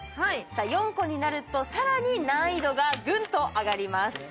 ４個になると更に難易度がグンと上がります。